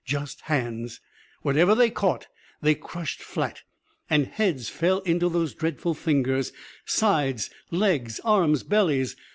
Just hands. Whatever they caught they crushed flat, and heads fell into those dreadful fingers, sides, legs, arms, bellies.